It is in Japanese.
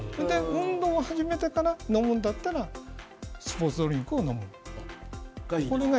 運動を始めてから飲むだったらスポーツドリンクを飲んだ方がいいですね。